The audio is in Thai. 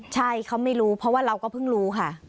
ใช่เขาไม่รู้เพราะว่าเราก็เพิ่งรู้ค่ะ